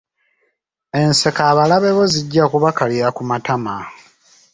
Enseko abalabe bo zijja kubakalira ku matama.